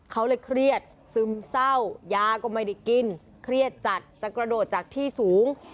เขาเลยเครียดซึมเศร้ายาก็ไม่ได้กินเครียดจัดจะกระโดดจากที่สูง